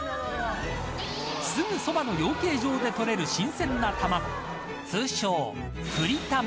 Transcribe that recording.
すぐそばの養鶏場で取れる新鮮な卵通称クリタマ。